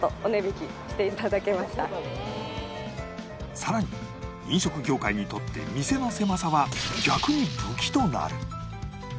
さらに飲食業界にとって店の狭さは逆に武器となる